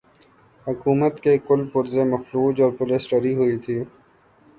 حکومت کے کل پرزے مفلوج اور پولیس ڈری ہوئی تھی۔